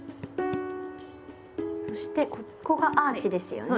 そしてここがアーチですよね？